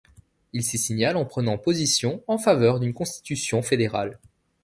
Il s'y signale en prenant position en faveur d'une constitution fédérale.